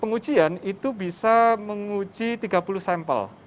pengujian itu bisa menguji tiga puluh sampel